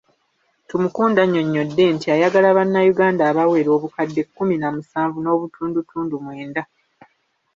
Tumukunde annyonnyodde nti ayagala bannayuganda abawera obukadde kumi na musanvu n'obutundutundu mwenda.